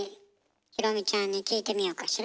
裕美ちゃんに聞いてみようかしら。